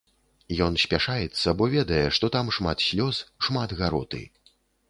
Ён спяшаецца, бо ведае, што там шмат слёз, шмат гароты.